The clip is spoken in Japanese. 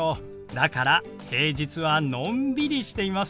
だから平日はのんびりしています。